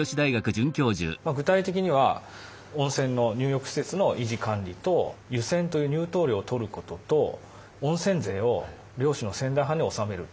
具体的には温泉の入浴施設の維持管理と湯銭という入湯料を取ることと温泉税を領主の仙台藩に納める。